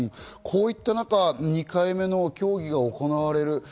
こういった中、２回目の協議が行われる。